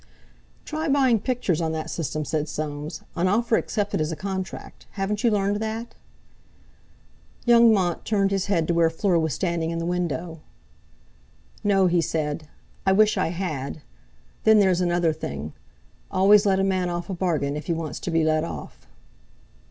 "Try buying pictures on that system," said Soames; "an offer accepted is a contract—haven't you learned that?" Young Mont turned his head to where Fleur was standing in the window. "No," he said, "I wish I had. Then there's another thing. Always let a man off a bargain if he wants to be let off."